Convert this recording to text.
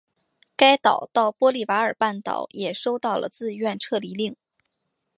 该岛到波利瓦尔半岛也收到了自愿撤离令。